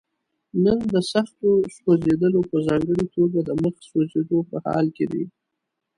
نن د سختو سوځېدلو په ځانګړي توګه د مخ سوځېدو په حال کې دي.